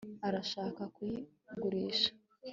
arashaka kuyigurisha